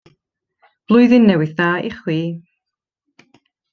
Blwyddyn Newydd Dda i chwi!